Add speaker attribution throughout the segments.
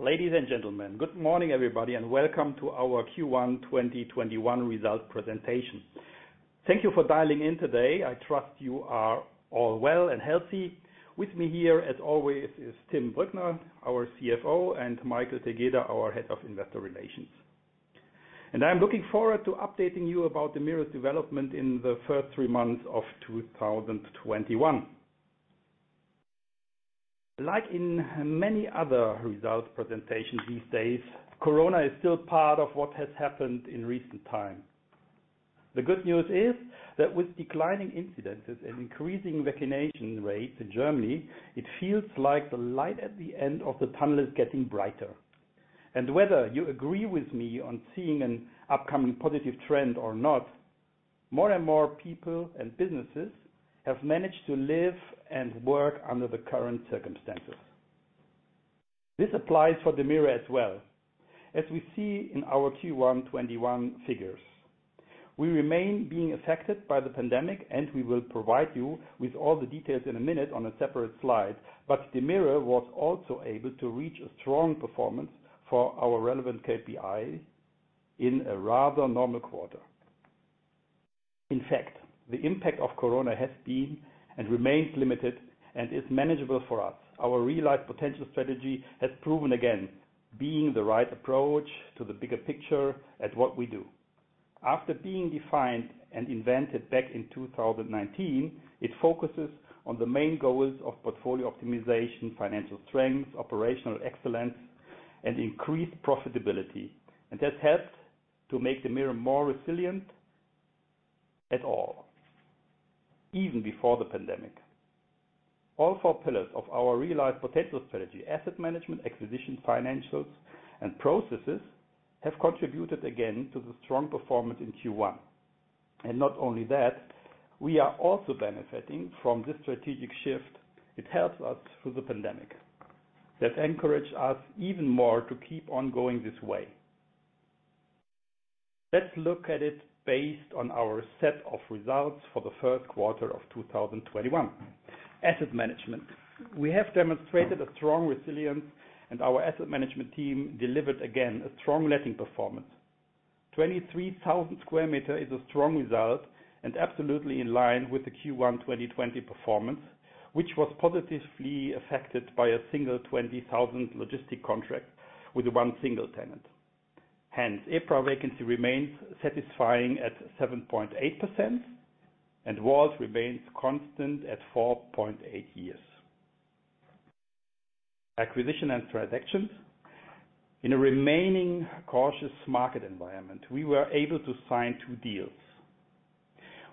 Speaker 1: Ladies and gentlemen, good morning, everybody, welcome to our Q1 2021 result presentation. Thank you for dialing in today. I trust you are all well and healthy. With me here, as always, is Tim Brückner, our CFO, Michael Tegeder, our Head of Investor Relations. I'm looking forward to updating you about DEMIRE's development in the first three months of 2021. Like in many other results presentation these days, Corona is still part of what has happened in recent time. The good news is that with declining incidences and increasing vaccination rates in Germany, it feels like the light at the end of the tunnel is getting brighter. Whether you agree with me on seeing an upcoming positive trend or not, more and people and businesses have managed to live and work under the current circumstances. This applies for DEMIRE as well, as we see in our Q1 2021 figures. We remain being affected by the pandemic, and we will provide you with all the details in a minute on a separate slide, but DEMIRE was also able to reach a strong performance for our relevant KPI in a rather normal quarter. In fact, the impact of Corona has been and remains limited and is manageable for us. Our REALize Potential strategy has proven again being the right approach to the bigger picture at what we do. After being defined and invented back in 2019, it focuses on the main goals of portfolio optimization, financial strength, operational excellence, and increased profitability, and has helped to make DEMIRE more resilient at all, even before the pandemic. All four pillars of our REALize Potential strategy: asset management, acquisition, financials, and processes have contributed again to the strong performance in Q1. Not only that, we are also benefiting from this strategic shift. It helps us through the pandemic. That encourage us even more to keep on going this way. Let's look at it based on our set of results for the first quarter of 2021. Asset management. We have demonstrated a strong resilience, and our asset management team delivered again a strong letting performance. 23,000 square meter is a strong result and absolutely in line with the Q1 2020 performance, which was positively affected by a single 20,000 logistic contract with one single tenant. Hence, EPRA Vacancy remains satisfying at 7.8%, and WALT remains constant at 4.8 years. Acquisition and transactions. In a remaining cautious market environment, we were able to sign two deals.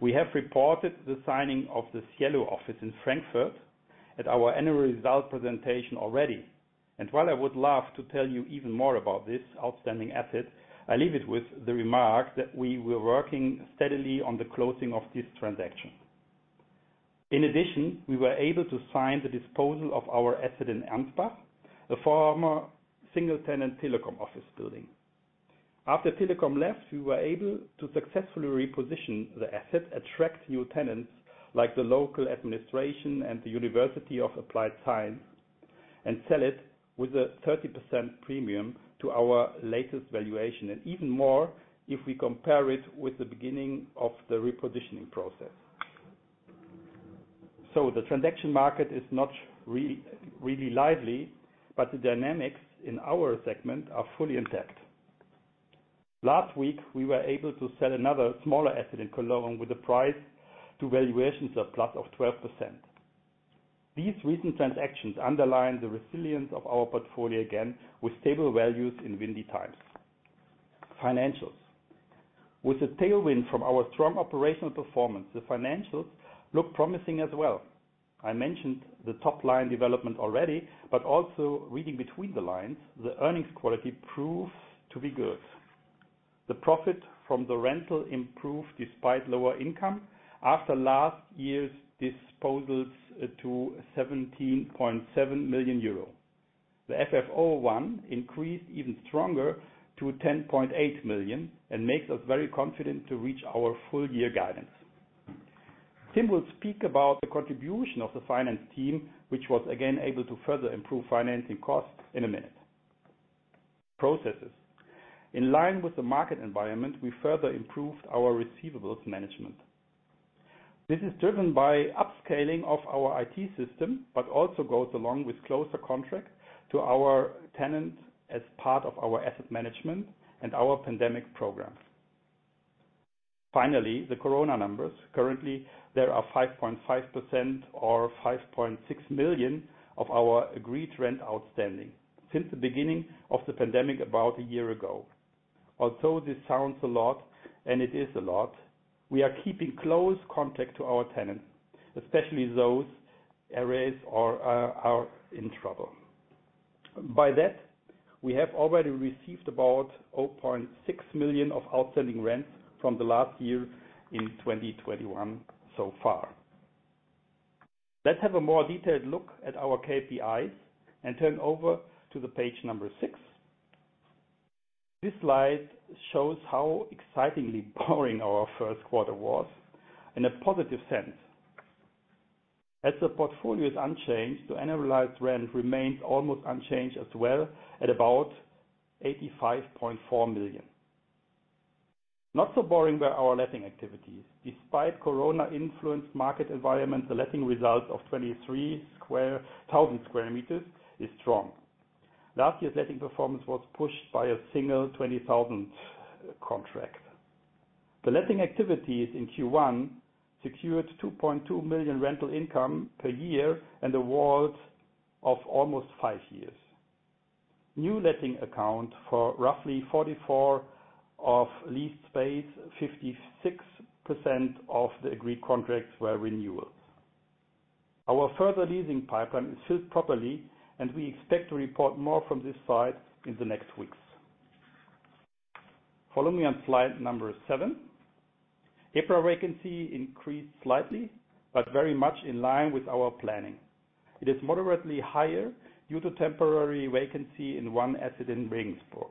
Speaker 1: We have reported the signing of the Cielo office in Frankfurt at our annual result presentation already. While I would love to tell you even more about this outstanding asset, I leave it with the remark that we were working steadily on the closing of this transaction. In addition, we were able to sign the disposal of our asset in Ansbach, a former single tenant Telecom office building. After Telekom left, we were able to successfully reposition the asset, attract new tenants like the local administration and the Ansbach University of Applied Sciences, and sell it with a 30% premium to our latest valuation, and even more if we compare it with the beginning of the repositioning process. The transaction market is not really lively, but the dynamics in our segment are fully intact. Last week, we were able to sell another smaller asset in Cologne with the price to valuation surplus of 12%. These recent transactions underline the resilience of our portfolio again with stable values in windy times. Financials. With the tailwind from our strong operational performance, the financials look promising as well. I mentioned the top line development already, but also reading between the lines, the earnings quality proves to be good. The profit from the rental improved despite lower income after last year's disposals to 17.7 million euro. The FFO I increased even stronger to 10.8 million and makes us very confident to reach our full year guidance. Tim will speak about the contribution of the finance team, which was again able to further improve financing costs in a minute. Processes. In line with the market environment, we further improved our receivables management. This is driven by upscaling of our IT system, but also goes along with closer contact to our tenant as part of our asset management and our pandemic program. Finally, the Corona numbers. Currently, there are 5.5% or 5.6 million of our agreed rent outstanding since the beginning of the pandemic about a year ago. This sounds a lot, and it is a lot, we are keeping close contact to our tenant, especially those areas are in trouble. By that, we have already received about 0.6 million of outstanding rent from the last year in 2021 so far. Let's have a more detailed look at our KPIs and turn over to page six. This slide shows how excitingly boring our first quarter was in a positive sense. As the portfolio is unchanged, the annualized rent remains almost unchanged as well at about 85.4 million. Not so boring were our letting activities. Despite Corona-influenced market environment, the letting results of 23,000 sq m is strong. Last year's letting performance was pushed by a single 20,000 contract. The letting activities in Q1 secured 2.2 million rental income per year, and a WALT of almost five years. New letting account for roughly 44% of leased space, 56% of the agreed contracts were renewals. Our further leasing pipeline is filled properly, and we expect to report more from this side in the next weeks. Follow me on slide number seven. EPRA vacancy increased slightly, but very much in line with our planning. It is moderately higher due to temporary vacancy in one asset in Regensburg,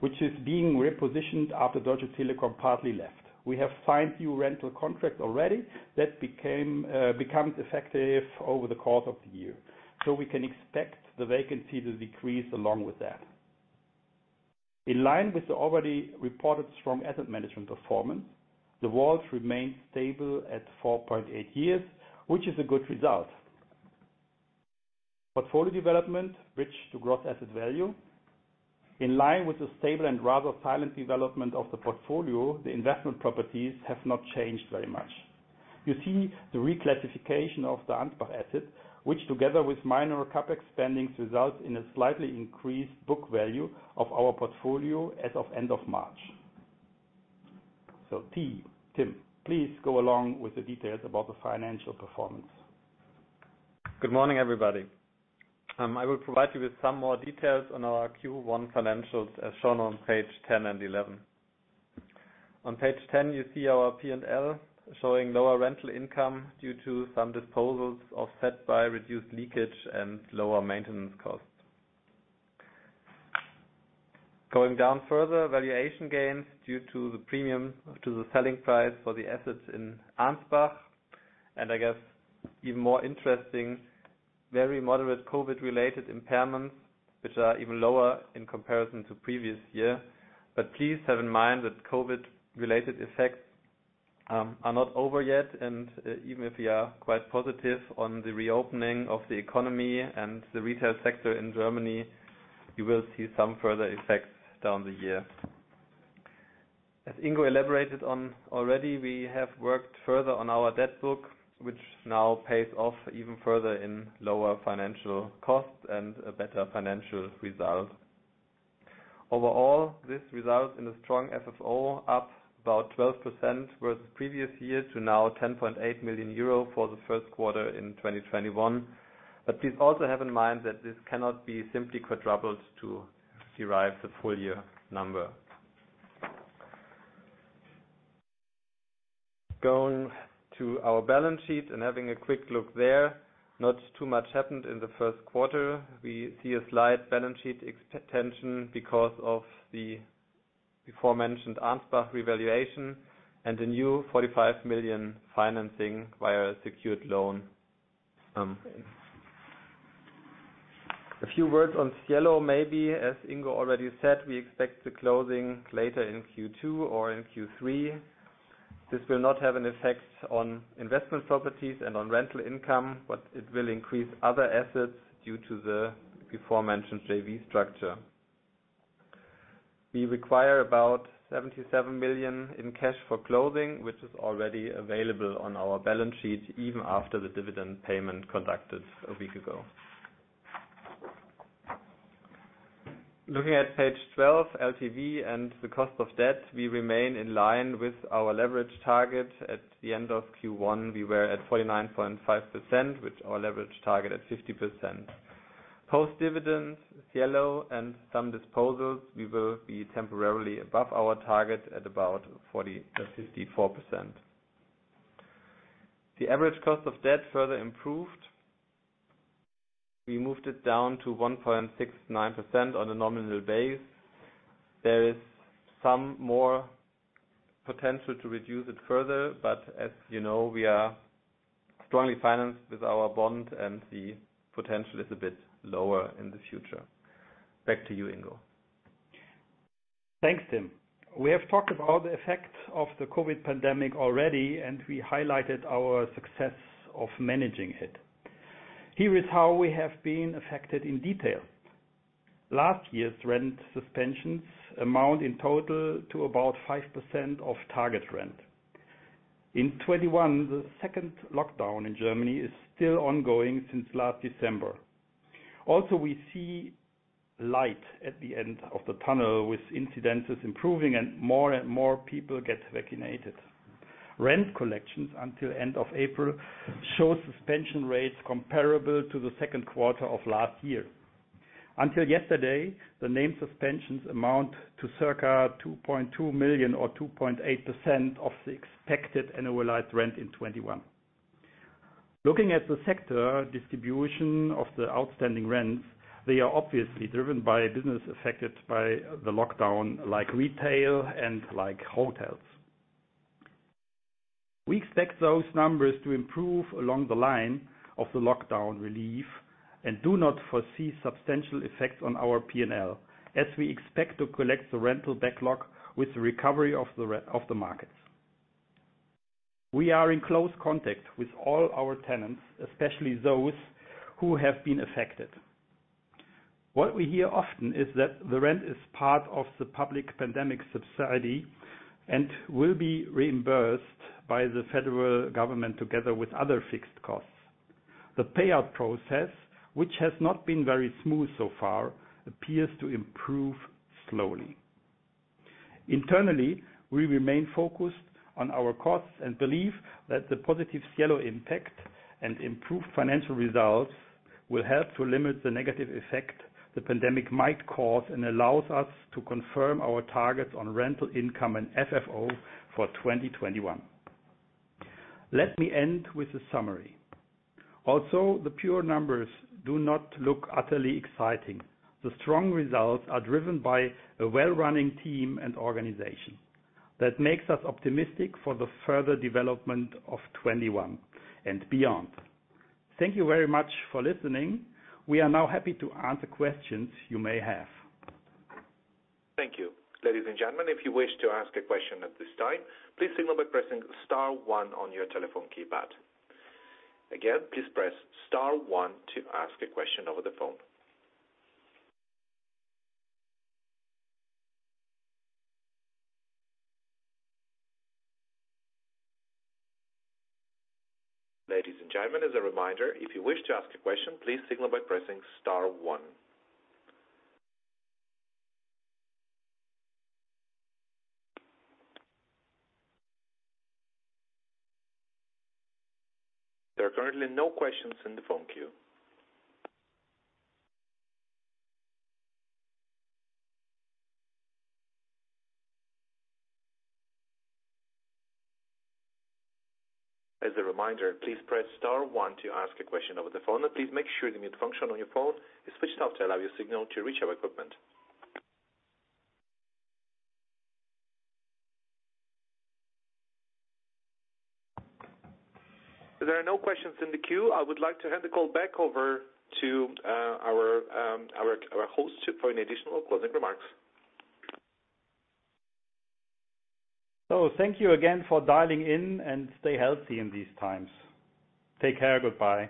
Speaker 1: which is being repositioned after Deutsche Telekom partly left. We have signed new rental contracts already that becomes effective over the course of the year. We can expect the vacancy to decrease along with that. In line with the already reported strong asset management performance, the WALT remains stable at 4.8 years, which is a good result. Portfolio development, which to gross asset value. In line with the stable and rather silent development of the portfolio, the investment properties have not changed very much. You see the reclassification of the Ansbach asset, which together with minor CapEx spendings, results in a slightly increased book value of our portfolio as of end of March. Tim, please go along with the details about the financial performance.
Speaker 2: Good morning, everybody. I will provide you with some more details on our Q1 financials as shown on page 10 and 11. On page 10, you see our P&L showing lower rental income due to some disposals offset by reduced leakage and lower maintenance costs. Going down further, valuation gains due to the premium to the selling price for the assets in Ansbach. I guess even more interesting, very moderate COVID-related impairments, which are even lower in comparison to previous year. Please have in mind that COVID-related effects are not over yet, and even if we are quite positive on the reopening of the economy and the retail sector in Germany, you will see some further effects down the year. As Ingo elaborated on already, we have worked further on our debt book, which now pays off even further in lower financial costs and a better financial result. This results in a strong FFO up about 12% versus previous year to now 10.8 million euro for Q1 2021. Please also have in mind that this cannot be simply quadrupled to derive the full year number. Going to our balance sheet and having a quick look there. Not too much happened in the first quarter. We see a slight balance sheet extension because of the before mentioned Ansbach revaluation and the new 45 million financing via a secured loan. A few words on Cielo maybe. As Ingo already said, we expect the closing later in Q2 or in Q3. This will not have an effect on investment properties and on rental income. It will increase other assets due to the before mentioned JV structure. We require about 77 million in cash for closing, which is already available on our balance sheet even after the dividend payment conducted a week ago. Looking at page 12, LTV and the cost of debt, we remain in line with our leverage target. At the end of Q1, we were at 49.5%, with our leverage target at 50%. Post dividends, Cielo and some disposals, we will be temporarily above our target at about 54%. The average cost of debt further improved. We moved it down to 1.69% on a nominal base. As you know, we are strongly financed with our bond and the potential is a bit lower in the future. Back to you, Ingo.
Speaker 1: Thanks, Tim. We have talked about the effect of the COVID pandemic already. We highlighted our success of managing it. Here is how we have been affected in detail. Last year's rent suspensions amount in total to about 5% of target rent. In 2021, the second lockdown in Germany is still ongoing since last December. We see light at the end of the tunnel with incidences improving and more and more people get vaccinated. Rent collections until end of April show suspension rates comparable to the second quarter of last year. Until yesterday, the named suspensions amount to circa 2.2 million or 2.8% of the expected annualized rent in 2021. Looking at the sector distribution of the outstanding rents, they are obviously driven by business affected by the lockdown, like retail and like hotels. We expect those numbers to improve along the line of the lockdown relief and do not foresee substantial effects on our P&L, as we expect to collect the rental backlog with the recovery of the markets. We are in close contact with all our tenants, especially those who have been affected. What we hear often is that the rent is part of the public pandemic subsidy and will be reimbursed by the federal government together with other fixed costs. The payout process, which has not been very smooth so far, appears to improve slowly. Internally, we remain focused on our costs and believe that the positive Cielo impact and improved financial results will help to limit the negative effect the pandemic might cause and allows us to confirm our targets on rental income and FFO for 2021. Let me end with a summary. The pure numbers do not look utterly exciting. The strong results are driven by a well-running team and organization that makes us optimistic for the further development of 2021 and beyond. Thank you very much for listening. We are now happy to answer questions you may have.
Speaker 3: Thank you. Ladies and gentlemen, if you wish to ask a question at this time, please signal by pressing star one on your telephone keypad. Again, please press star one to ask a question over the phone. Ladies and gentlemen, as a reminder, if you wish to ask a question, please signal by pressing star one. There are currently no questions in the phone queue. As a reminder, please press star one to ask a question over the phone. Please make sure the mute function on your phone is switched off to allow your signal to reach our equipment. As there are no questions in the queue. I would like to hand the call back over to our host for any additional closing remarks.
Speaker 1: Thank you again for dialing in, and stay healthy in these times. Take care. Goodbye.